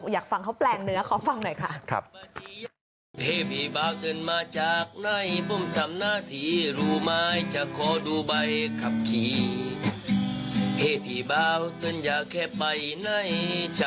อยากฟังเขาแปลงเนื้อเขาฟังหน่อยค่ะ